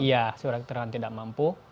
iya surat keterangan tidak mampu